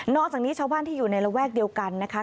จากนี้ชาวบ้านที่อยู่ในระแวกเดียวกันนะคะ